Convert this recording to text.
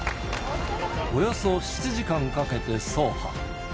およそ７時間かけて走破。